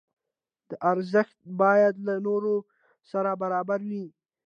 دا ارزښت باید له نورو سره برابر وي.